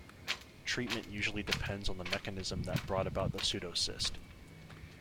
Treatment usually depends on the mechanism that brought about the pseudocyst.